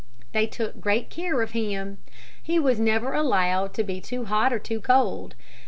They took great care of him. He was never allowed to be too hot or too cold.